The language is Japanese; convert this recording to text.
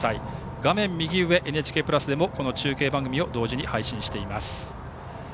画面右上「ＮＨＫプラス」でもこの中継番組を同時に配信しています。